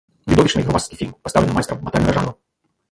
Відовішчны й грувасткі фільм, пастаўлены майстрам батальнага жанру.